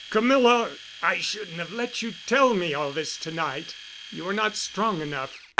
"Camilla! I shouldn't have let you tell me all this to night. You were not strong enough.